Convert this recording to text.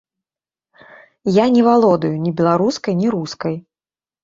Я не валодаю ні беларускай, ні рускай.